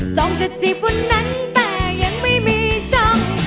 จะจีบวันนั้นแต่ยังไม่มีช้ำ